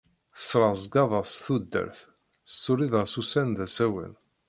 Tesreẓgeḍ-as tudert, tessuliḍ-as ussan d asawen.